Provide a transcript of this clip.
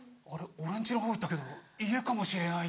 俺んちの方行ったけど家かもしれない。